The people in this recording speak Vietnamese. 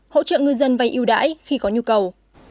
hỗ trợ ngư dân vay yêu đãi khi có nhu cầu